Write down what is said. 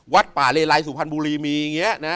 วัดป่าเลไลสุพรรณบุรีมีอย่างนี้นะ